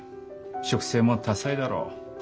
植生も多彩だろう。